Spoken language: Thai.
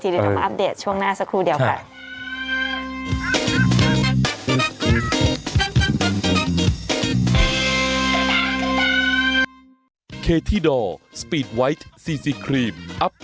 เดี๋ยวเรามาอัปเดตช่วงหน้าสักครู่เดียวค่ะ